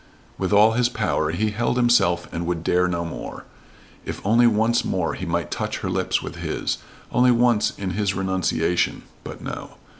With all his power he held himself and would dare no more. If only once more he might touch her lips with his only once in his renunciation but no.